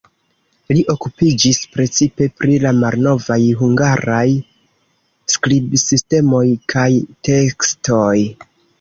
Li okupiĝis precipe pri la malnovaj hungaraj skribsistemoj kaj tekstoj.